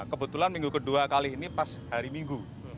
kebetulan minggu kedua kali ini pas hari minggu